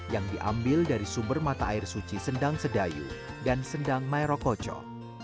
yang diambil dari sumber mata air suci sendang sedayu dan sendang mairokocho